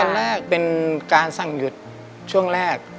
แรกเป็นการสั่งหยุดช่วงแรก